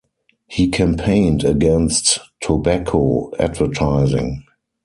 He campaigned against tobacco advertising.